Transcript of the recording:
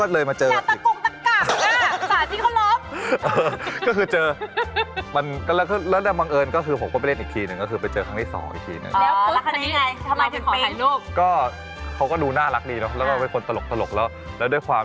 แล้วอยากรู้ว่ารู้จักกันมาก่อนหน้านั้นหรือว่าไปสปาล์เวลาตอนไหน